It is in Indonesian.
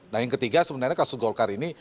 nah yang ketiga sebenarnya kasus golkar ini